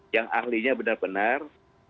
yang ahlinya benar benar